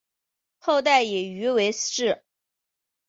后代以鱼为氏。